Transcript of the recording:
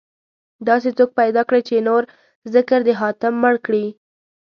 داسې څوک پيدا کړئ، چې نور ذکر د حاتم مړ کړي